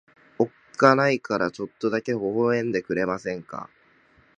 おっかないからちょっとだけ微笑んでくれませんか。